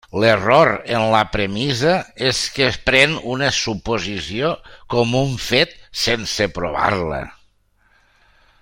L'error en la premissa és que pren una suposició com un fet sense provar-la.